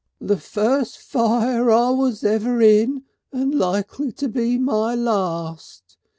"The fust fire I was ever in and likely to be my last.